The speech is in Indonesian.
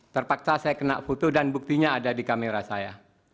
terpaksa saya kena foto dan buktinya ada di kamera saya